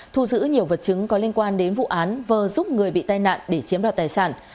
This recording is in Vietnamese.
thu giữ nhiều vật chứng có liên quan đến vụ án vờ giúp người bị tai nạn để chiếm đoạt tài sản